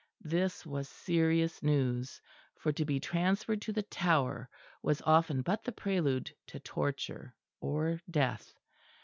This was serious news; for to be transferred to the Tower was often but the prelude to torture or death.